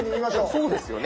そうですよね。